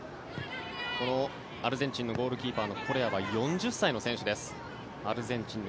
このアルゼンチンのゴールキーパーのコレアは４０歳の選手です。